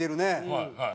はいはい。